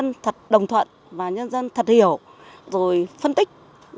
dân thật đồng thuận và nhân dân thật hiểu rồi phân tích